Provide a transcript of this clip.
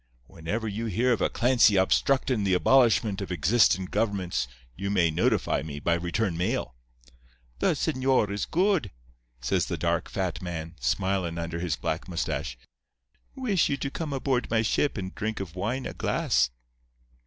Whenever you hear of a Clancy obstructin' the abolishment of existin' governments you may notify me by return mail.' "'The señor is good,' says the dark, fat man, smilin' under his black mustache. 'Wish you to come aboard my ship and drink of wine a glass.